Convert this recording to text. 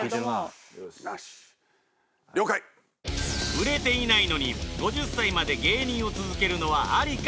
売れていないのに５０歳まで芸人を続けるのはアリか？